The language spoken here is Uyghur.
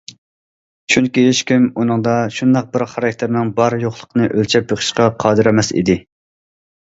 چۈنكى ھېچكىم ئۇنىڭدا شۇنداق بىر خاراكتېرنىڭ بار- يوقلۇقىنى ئۆلچەپ بېقىشقا قادىر ئەمەس ئىدى.